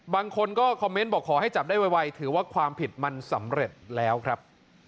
บางคนก็คอมเมนต์บอกขอให้จับได้ไวถือว่าความผิดมันสำเร็จแล้วครับ